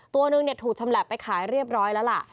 ตัวหนึ่งถูกชำแหละไปขายเรียบร้อยแล้วล่ะ